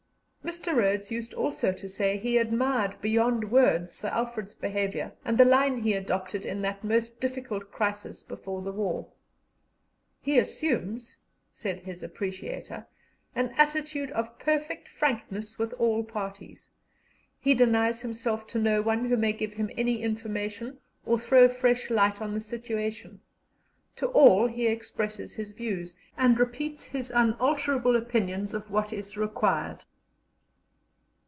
Mr. Rhodes used also to say he admired beyond words Sir Alfred's behaviour and the line he adopted in that most difficult crisis before the war. "He assumes," said his appreciator, "an attitude of perfect frankness with all parties; he denies himself to no one who may give him any information or throw fresh light on the situation; to all he expresses his views, and repeats his unalterable opinions of what is required."